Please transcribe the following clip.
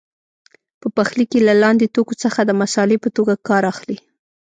په پخلي کې له لاندې توکو څخه د مسالې په توګه کار اخلي.